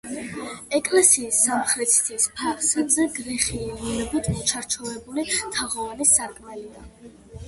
ეკლესიის სამხრეთის ფასადზე გრეხილი ლილვით მოჩარჩოებული თაღოვანი სარკმელია.